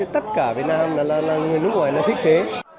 tất cả việt nam là người nước ngoài là thích thế